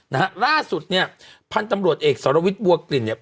นะฮะล่าสุดเนี่ยพันธุ์ตำรวจเอกสรวิทย์บัวกลิ่นเนี่ย